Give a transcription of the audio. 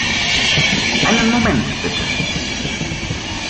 Einen Moment, bitte.